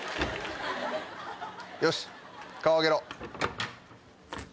よし顔上げろ。